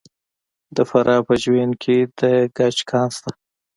د فراه په جوین کې د ګچ کان شته.